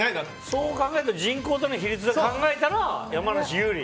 そう考えると人口との比率で考えたら山梨有利。